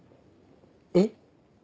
えっ？